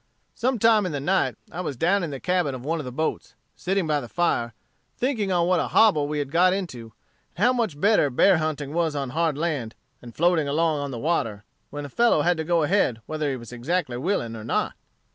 "Some time in the night I was down in the cabin of one of the boats, sitting by the fire, thinking on what a hobble we had got into; and how much better bear hunting was on hard land, than floating along on the water, when a fellow had to go ahead whether he was exactly willing or not.